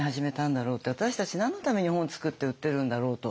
私たち何のために本を作って売ってるんだろうと。